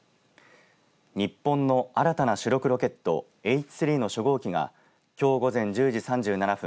日本の新たな主力ロケットＨ３の初号機がきょう午前１０時３７分